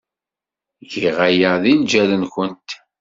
Giɣ aya ɣef lǧal-nwent.